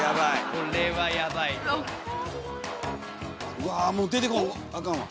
うわもう出てこんあかんわ。